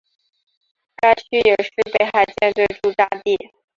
该区也是北海舰队驻扎地。